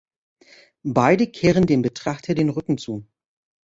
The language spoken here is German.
Beide kehren dem Betrachter den Rücken zu.